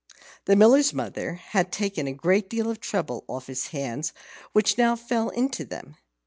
The Miller's mother had taken a great deal of trouble off his hands which now fell into them.